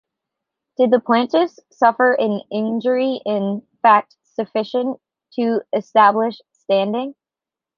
Did the plaintiffs suffer an injury in fact sufficient to establish standing?